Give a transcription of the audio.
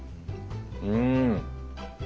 うん！